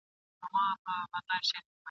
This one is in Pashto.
سترګي د رقیب دي سپلنی سي چي نظر نه سي !.